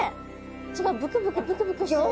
違うブクブクブクブクしてる。